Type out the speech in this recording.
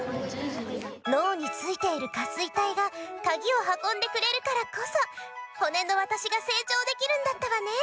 脳についている下垂体がカギをはこんでくれるからこそ骨のわたしが成長できるんだったわね。